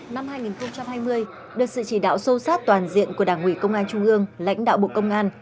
năm hai nghìn hai mươi được sự chỉ đạo sâu sát toàn diện của đảng ủy công an trung ương lãnh đạo bộ công an